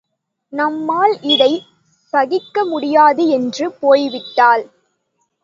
நம்மால் இதைச் சகிக்க முடியாது என்று போய்விட்டாள்.